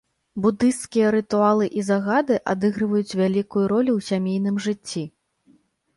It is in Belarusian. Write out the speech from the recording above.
Будысцкія рытуалы і загады адыгрываюць вялікую ролю ў сямейным жыцці.